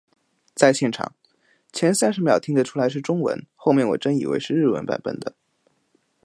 在现场，前三十秒听得出来是中文，后面我真以为是日文版本的